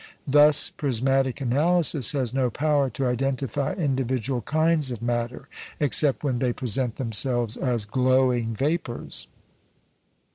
Thus prismatic analysis has no power to identify individual kinds of matter, except when they present themselves as glowing vapours.